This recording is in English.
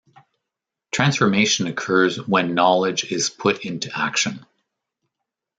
Transformation occurs when knowledge is put into action.